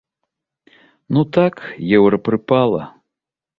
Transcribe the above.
Ну так, еўра прыпала.